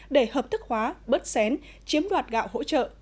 để hợp thức hóa bớt xén chiếm đoạt gạo hỗ trợ